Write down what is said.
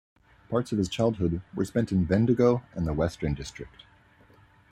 Parts of his childhood were spent in Bendigo and the Western District.